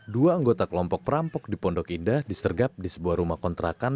dua anggota kelompok perampok di pondok indah disergap di sebuah rumah kontrakan